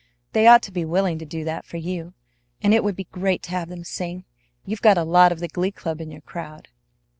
They ought to be willing to do that for you, and it would be great to have them sing. You've got a lot of the glee club in your crowd."